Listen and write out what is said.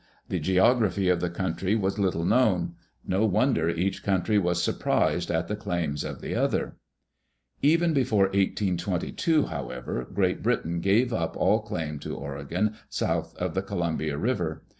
The geography of the country was little known. No wonder each country was surprised at the claims of the other. Even before 1822, however, Great Britain gave up all claim to Oregon south of the Columbia River.